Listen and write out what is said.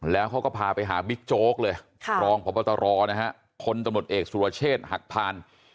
แล้วเขาก็พาไปหาบิ๊กโจ๊กเลยรองพบตรนะฮะคนตำรวจเอกสุรเชษฐ์หักพาน